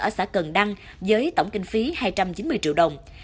ở xã cần đăng với tổng kinh phí hai trăm chín mươi triệu đồng